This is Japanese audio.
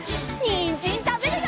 にんじんたべるよ！